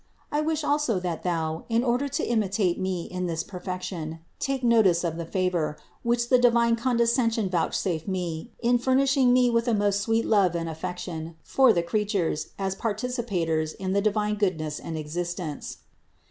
I wish also that thou, in order to imitate me in this perfection, take notice of the favor, which the divine condescension vouchsafed me in furnishing me with a most sweet love and affection for the creatures as participators in the divine goodness and existence.